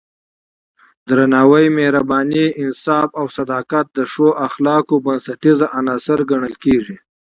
درناوی، مهرباني، انصاف او صداقت د ښو اخلاقو بنسټیز عناصر ګڼل کېږي.